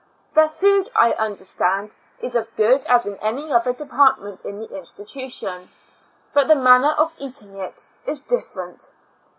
Their food, I understand, is as good as in any other department in the institution, biit the manner of eating it is different.